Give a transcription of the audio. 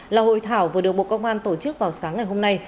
là hội thảo vừa được bộ công an tổ chức vào sáng ngày hôm nay